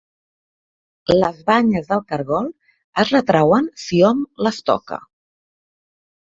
Les banyes dels cargols es retreuen si hom les toca.